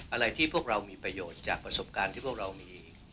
อะไรที่พวกเรามีประโยชน์จากประสบการณ์ที่พวกเรามี